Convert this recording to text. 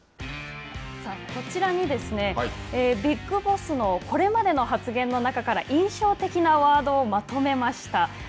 こちらに、ビッグボスのこれまでの発言の中から印象的なワードをまとめました。